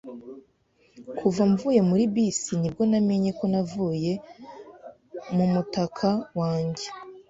Kuva mvuye muri bisi ni bwo namenye ko navuye mu mutaka wanjye.